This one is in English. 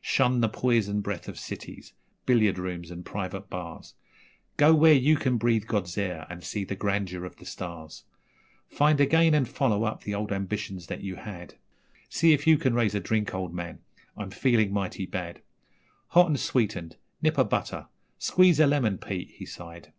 Shun the poison breath of cities billiard rooms and private bars, Go where you can breathe God's air and see the grandeur of the stars! Find again and follow up the old ambitions that you had See if you can raise a drink, old man, I'm feelin' mighty bad Hot and sweetened, nip o' butter squeeze o' lemon, Pete,' he sighed.